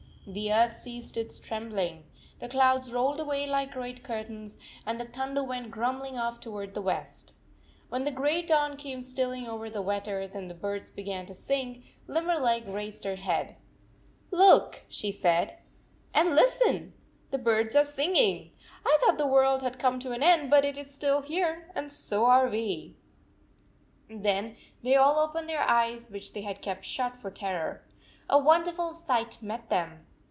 The earth ceased its trembling. The clouds rolled away like great curtains, and the thunder went grumbling off toward the west. When the gray dawn came stealing over the wet earth and the birds began to sing, Limberleg raised her head. " Look," she said, "and listen ! The birds are singing! I thought the world had come to an end, but it is still here, and ^so are we." Then they all opened their eyes, which they had kept shut for terror. A wonderful sight met them